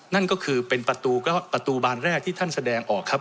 นั่นก็คือเป็นประตูบานแรกที่ท่านแสดงออกครับ